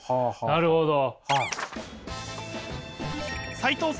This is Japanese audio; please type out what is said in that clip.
なるほど。